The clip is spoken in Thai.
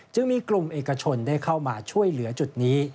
จึงมีกลุ่มเอกชนได้เข้ามาช่วยเหลือจุดนี้